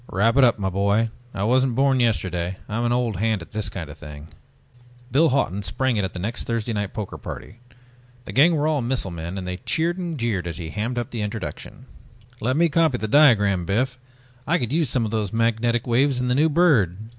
"Wrap it up, my boy, I wasn't born yesterday. I'm an old hand at this kind of thing." Biff Hawton sprang it at the next Thursday night poker party. The gang were all missile men and they cheered and jeered as he hammed up the introduction. "Let me copy the diagram, Biff, I could use some of those magnetic waves in the new bird!"